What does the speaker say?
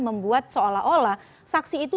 membuat seolah olah saksi itu